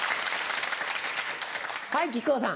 はい木久扇さん。